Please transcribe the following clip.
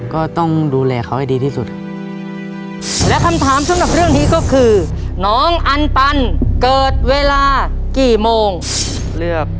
ก็ต้องดูแลเขาให้ดีที่สุดและคำถามสำหรับเรื่องนี้ก็คือ